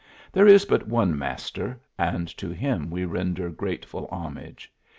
There is but one master, and to him we render grateful homage.